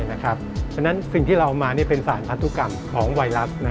เพราะฉะนั้นสิ่งที่เราเอามาเป็นสารพันธุกรรมของไวรัส